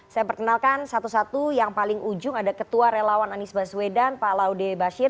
saya perkenalkan satu satu yang paling ujung ada ketua relawan anies baswedan pak laude bashir